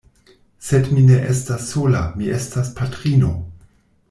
Sed mi ne estas sola, mi estas patrino!